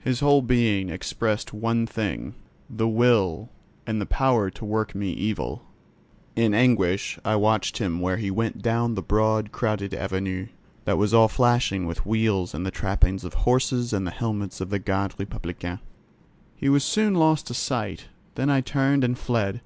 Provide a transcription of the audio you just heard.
His whole being expressed one thing: the will, and the power to work me evil. In anguish I watched him where he went down the broad crowded Avenue, that was all flashing with wheels and the trappings of horses and the helmets of the Garde Republicaine. He was soon lost to sight; then I turned and fled.